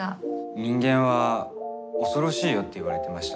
人間は恐ろしいよって言われてました。